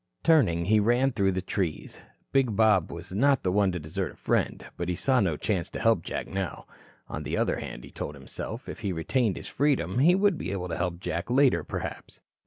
Turning, he ran through the trees. Big Bob was not the one to desert a friend, but he saw no chance to help Jack now. On the other hand, he told himself, if he retained his freedom, he would be able to help Jack later perhaps.